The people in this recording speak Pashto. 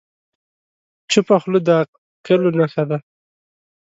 چپه خوله، د عاقلو نښه ده.